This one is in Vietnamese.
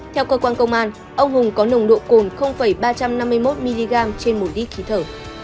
theo cơ quan công an ông hùng có nồng độ cồn ba trăm năm mươi một mg trên một lít khí thở